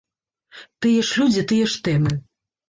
Тыя ж людзі, тыя ж тэмы.